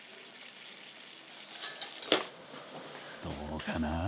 どうかな？